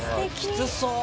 きつそう！